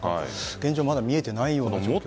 現状は見えていないような状況です。